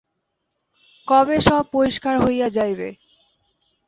কবে সব পরিষ্কার হইয়া যাইবে?